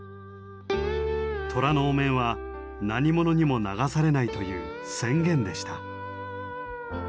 トラのお面は何者にも流されないという宣言でした。